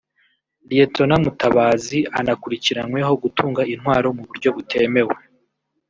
Lt Mutabazi anakurikiranyweho gutunga intwaro mu buryo butemewe